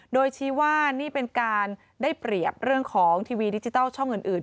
โดยชี้ว่านี่เป็นการได้เปรียบเรื่องของทีวีดิจิทัลช่องอื่น